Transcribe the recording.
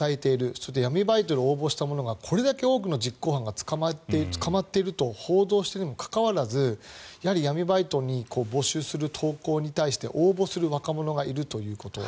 そして闇バイトに応募した者がこれだけ多くの実行犯が捕まっていると報道しているにもかかわらず闇バイトを募集する投稿に対して応募する若者がいるということ。